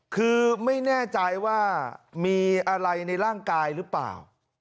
คือไม่แน่ใจว่ามีอะไรในร่างกายหรือเปล่า